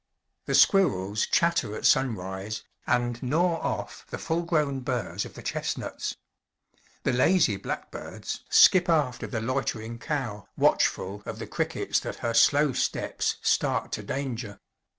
The squirrels chatter at sunrise, and gnaw off the full grown burrs of the chestnuts. The lazy blackbirds skip after the loitering cow, watchful of the crickets that her slow steps start to danger.